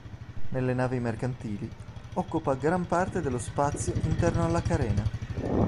Nelle navi mercantili occupa gran parte dello spazio interno alla carena